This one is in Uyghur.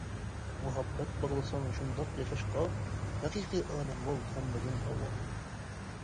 مۇھەببەت باغلىساڭ شۇنداق ياشاشقا، ھەقىقىي ئادەم بول ھەممىدىن ئاۋۋال.